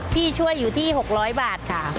ช่วยอยู่ที่๖๐๐บาทค่ะ